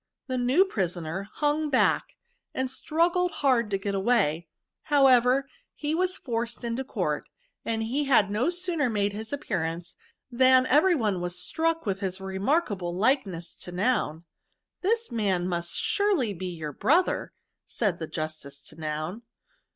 The new prisoner hung back, and struggled hard to get away ; how ever he was forced into court ; and he had no sooner made his appearance, than every one was struck with his remarkable likeness to Noun. * This man must surely be your brother,' said the justice to Noun.